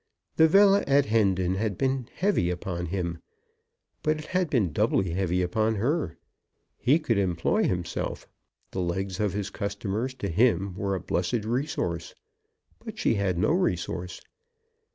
The villa at Hendon had been heavy upon him, but it had been doubly heavy upon her. He could employ himself. The legs of his customers, to him, were a blessed resource. But she had no resource.